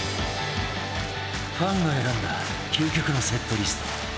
ファンが選んだ究極のセットリスト。